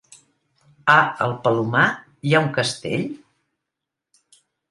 A el Palomar hi ha un castell?